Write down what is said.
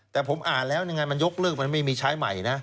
แต่ผมอ่านแล้วยกเลิกมันไม่มีใช้ใหม่นะ